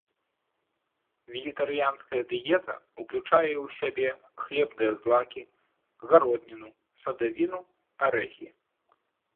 Вегетарыянская дыета уключае ў сябе хлебныя злакі, гародніну, садавіну, арэхі.